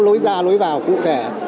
lối ra lối vào cụ thể